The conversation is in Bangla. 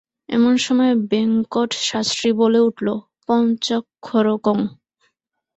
এমন সময় বেঙ্কট শাস্ত্রী বলে উঠল, পঞ্চাক্ষরকং।